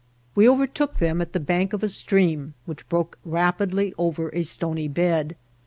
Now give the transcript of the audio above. We overtook them at the bank of a stream which broke rapidly over a stony bed.